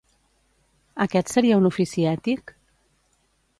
Aquest seria un ofici ètic?